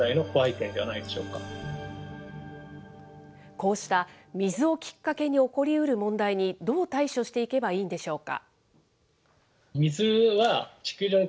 こうした水をきっかけに起こりうる問題に、どう対処していけばいいんでしょうか。